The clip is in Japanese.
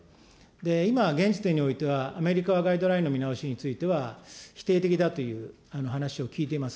今、現時点においてはアメリカはガイドラインの見直しについては否定的だという話を聞いています。